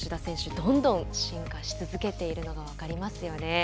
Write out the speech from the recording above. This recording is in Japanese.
どんどん進化し続けているのが分かりますよね。